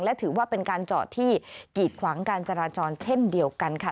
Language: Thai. และถือว่าเป็นการจอดที่กีดขวางการจราจรเช่นเดียวกันค่ะ